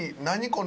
何？